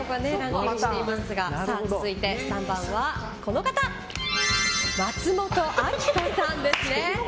続いて３番は松本明子さんです。